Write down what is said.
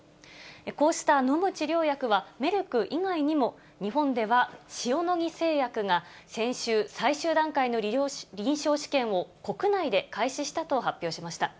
こうした飲む治療薬はメルク以外にも、日本では塩野義製薬が先週、最終段階の臨床試験を国内で開始したと発表しました。